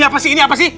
ini apa sih ini apa sih